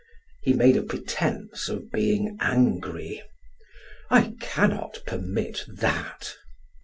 He made a pretense of being angry: "I cannot permit that."